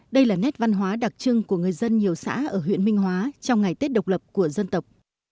đây là nét văn hóa đặc trưng của người dân nhiều xã ở huyện minh hóa trong ngày tết độc lập của dân tộc